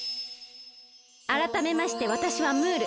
あらためましてわたしはムール。